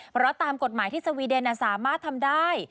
เพราะตามกฎหมายที่สวีเดนสามารถทำได้